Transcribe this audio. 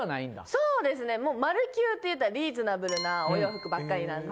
そうですねマルキューって言ったらリーズナブルなお洋服ばっかりなんで。